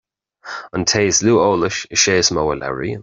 An té is lú eolais is é is mó a labhraíonn